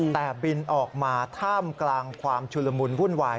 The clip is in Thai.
แต่บินออกมาท่ามกลางความชุลมุนวุ่นวาย